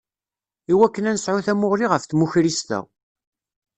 Iwakken ad nesɛu tamuɣli ɣef tmukrist-a.